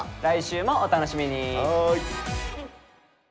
来週もお楽しみに。